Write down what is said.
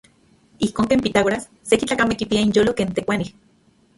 Ijkon ken Pitágoras seki tlakamej kipiaj inyolo ken tekuanij.